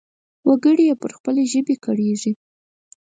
وګړي يې پر خپلې ژبې ګړيږي.